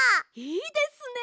いいですね！